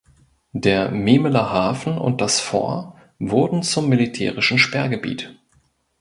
Der Memeler Hafen und das Fort wurden zum militärischen Sperrgebiet.